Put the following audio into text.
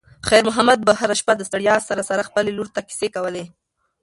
خیر محمد به هره شپه د ستړیا سره سره خپلې لور ته کیسې کولې.